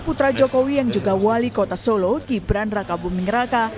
putra jokowi yang juga wali kota solo gibran raka buming raka